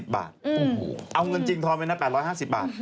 เอาเงินจริงทอนไปนะ๘๕๐บาท